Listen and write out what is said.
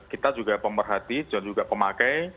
kita juga pemerhati dan juga pemakai